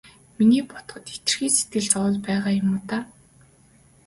Миний бодоход хэтэрхий сэтгэл зовоод байгаа юм уу даа.